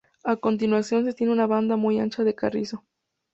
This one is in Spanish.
A continuación se extiende una banda muy ancha de carrizo.